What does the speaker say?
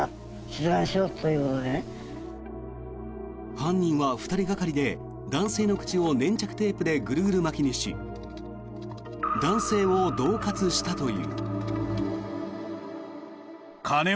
犯人は２人がかりで男性の口を粘着テープでぐるぐる巻きにし男性をどう喝したという。